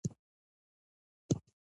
په نړۍ په بېلابېلو برخو کې موجود و